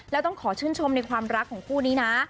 แล้วต้องขอชื่นชมในความรักของคู่นี้นะ